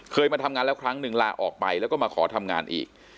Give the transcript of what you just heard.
มาทำงานแล้วครั้งหนึ่งลาออกไปแล้วก็มาขอทำงานอีก